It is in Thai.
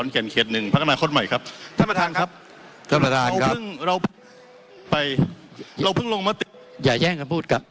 ท่านประธานครับท่านประธานครับเพิ่งเราไปเราเพิ่งลงมติอย่าแย่งคำพูดครับ